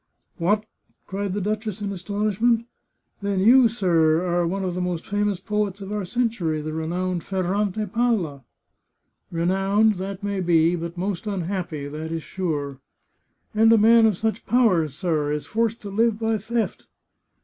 " What !" cried the duchess in astonishment. " Then you, sir, are one of the most famous poets of our century, the renowned Ferrante Palla !"" Renowned, that may be ; but most unhappy, that is sure." " And a man of such powers, sir, is forced to live by theft!"